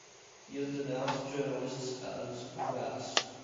He has denounced journalists as "rats".